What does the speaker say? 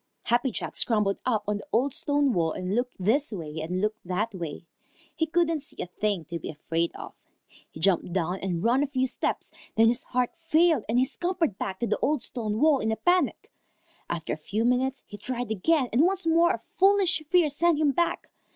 Happy Jack scrambled up on the old stone wall and looked this way and looked that way. He couldn't see a thing to be afraid of. He jumped down and ran a few steps. Then his heart failed, and he scampered back to the old stone wall in a panic. After a few minutes he tried again, and once more a foolish fear sent him back.